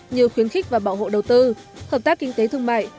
như khuyến khích và bảo hộ đầu tư hợp tác kinh tế thương mại